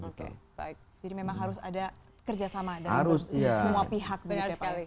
oke baik jadi memang harus ada kerjasama dari semua pihak btp